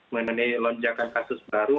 mengenai lonjakan kasus baru